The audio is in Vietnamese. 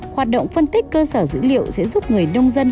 hoạt động phân tích cơ sở dữ liệu sẽ giúp người nông dân